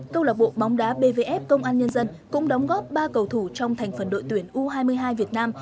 câu lạc bộ bóng đá bvf công an nhân dân cũng đóng góp ba cầu thủ trong thành phần đội tuyển u hai mươi hai việt nam